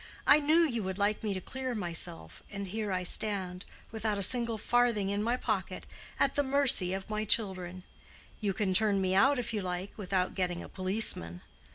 I knew you would like me to clear myself, and here I stand—without a single farthing in my pocket—at the mercy of my children. You can turn me out if you like, without getting a policeman.